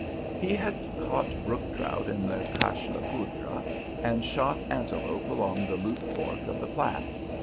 He had caught brook trout in the Cache la Poudre, and shot antelope along the Loup Fork of the Platte.